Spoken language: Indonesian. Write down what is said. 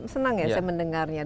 senang ya saya mendengarnya